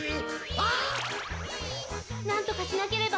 なんとかしなければ！